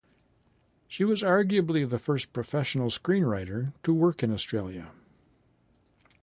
She was arguably the first professional screenwriter to work in Australia.